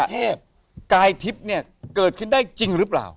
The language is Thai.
เทพกายทิพย์เนี่ยเกิดขึ้นได้จริงหรือเปล่า